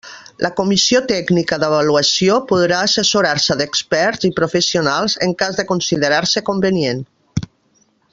La comissió tècnica d'avaluació podrà assessorar-se d'experts i professionals, en cas de considerar-se convenient.